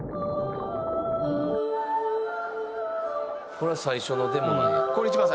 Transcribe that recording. これは最初のデモなんや。